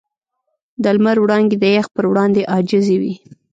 د لمر وړانګې د یخ پر وړاندې عاجزې وې.